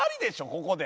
ここで。